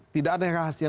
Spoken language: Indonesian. tidak ada yang rahasia